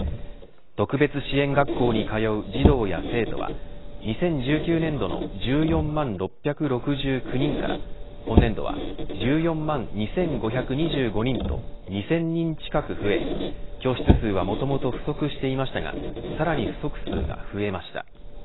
特別支援学校に通う児童や生徒は２０１９年度の１４万６６９人から今年度は１４万２５２５人と２０００人近く増え教室数はもともと不足していましたがさらに不足数が増えました。